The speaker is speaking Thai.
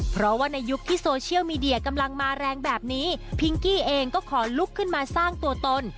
เพราะว่าในยุคที่โซเชียลมีเดียกำลังมาแรงแบบนี้พิงกี้เองก็ขอลุกขึ้นมาสร้างตัวตน